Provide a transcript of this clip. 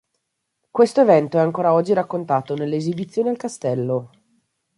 Questo evento è ancora oggi raccontato nelle esibizioni al castello.